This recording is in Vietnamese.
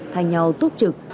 thành nhau túc trực